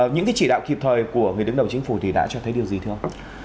những chỉ đạo kịp thời của người đứng đầu chính phủ đã cho thấy điều gì thưa ông